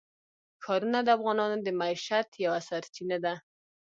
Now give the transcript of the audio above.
ښارونه د افغانانو د معیشت یوه سرچینه ده.